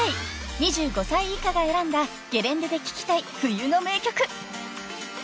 ［２５歳以下が選んだゲレンデで聴きたい冬の名曲］